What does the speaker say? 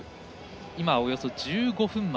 今はおよそ１５分前。